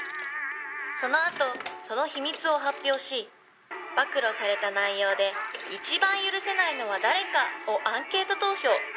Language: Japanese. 「そのあとその秘密を発表し暴露された内容で一番許せないのは誰か？をアンケート投票」